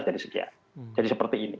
jadi sejati jadi seperti ini